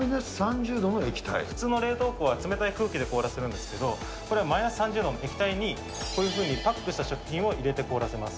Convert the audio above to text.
普通の冷凍庫は、冷たい空気で凍らせてるんですけど、これはマイナス３０度の液体に、こういうふうにパックした食品を入れて凍らせます。